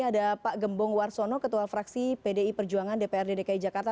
ada pak gembong warsono ketua fraksi pdi perjuangan dprd dki jakarta